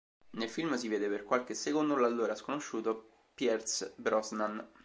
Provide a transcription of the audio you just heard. Nel film si vede per qualche secondo l'allora sconosciuto Pierce Brosnan.